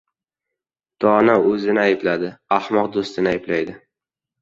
• Dono o‘zini ayblaydi, ahmoq do‘stini ayblaydi.